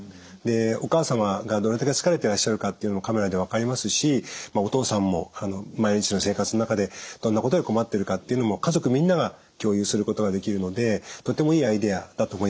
お母様がどれだけ疲れてらっしゃるかっていうのもカメラで分かりますしお父さんも毎日の生活の中でどんなことで困ってるかっていうのも家族みんなが共有することができるのでとてもいいアイデアだと思いました。